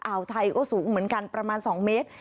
ไทยก็สูงเหมือนกันประมาณ๒เมตร